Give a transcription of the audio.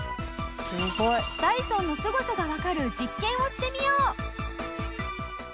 ダイソンのすごさがわかる実験をしてみよう！